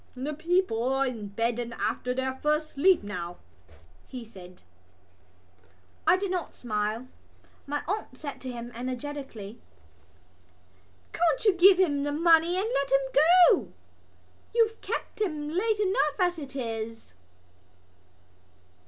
"The people are in bed and after their first sleep now," he said. I did not smile. My aunt said to him energetically: "Can't you give him the money and let him go? You've kept him late enough as it is."